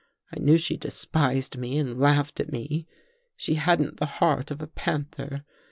I knew she despised me and laughed at me. She hadn't the heart of a panther.